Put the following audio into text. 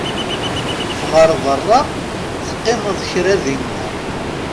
Ffeɣ ar beṛṛa, teqqimeḍ kra dinna!